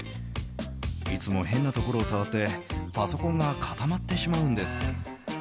いつも変なところを触ってパソコンが固まってしまうんです。